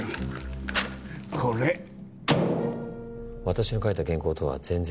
私の書いた原稿とは全然。